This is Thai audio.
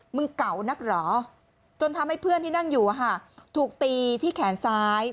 เก่านักเหรอจนทำให้เพื่อนที่นั่งอยู่ถูกตีที่แขนซ้าย